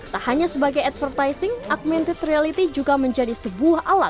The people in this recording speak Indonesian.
tak hanya sebagai advertising augmented reality juga menjadi sebuah alat